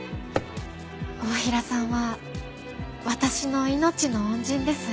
太平さんは私の命の恩人です。